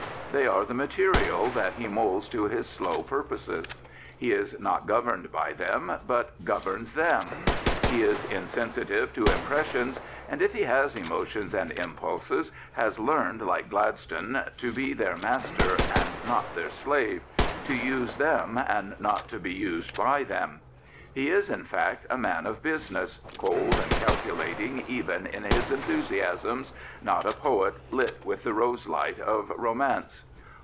They are the material that he moulds to his slow purposes. He is not governed by them, but governs them. He is insensitive to impressions, and, if he has emotions and impulses, has learned, like Gladstone, to be their master and not their i8i Prophets, Priests, and Kings slave, to use them and not to be used by them. He is, in fact, a man of business, cold and calculating even in his enthusiasms, not a poet lit with the rose light of romance.